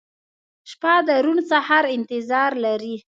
• شپه د روڼ سهار انتظار لري.